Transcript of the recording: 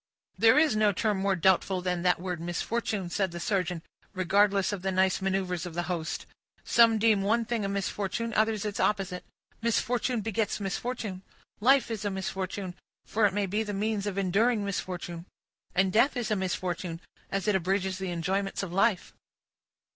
"There is no term more doubtful than that word misfortune," said the surgeon, regardless of the nice maneuvers of the host. "Some deem one thing a misfortune, others its opposite; misfortune begets misfortune. Life is a misfortune, for it may be the means of enduring misfortune; and death is a misfortune, as it abridges the enjoyments of life."